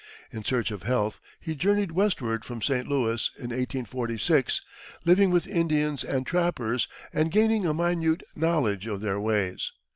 In search of health, he journeyed westward from St. Louis, in 1846, living with Indians and trappers and gaining a minute knowledge of their ways.